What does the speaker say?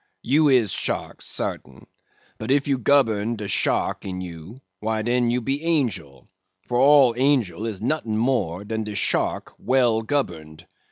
You is sharks, sartin; but if you gobern de shark in you, why den you be angel; for all angel is not'ing more dan de shark well goberned.